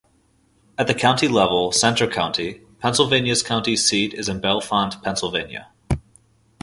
At the county level, Centre County, Pennsylvania's county seat is in Bellefonte, Pennsylvania.